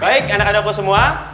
baik anak anakku semua